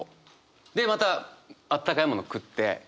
でまたあったかいもの食って。